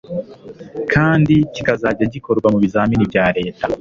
kandi kikazajya gikorwa mu bizamini bya leta.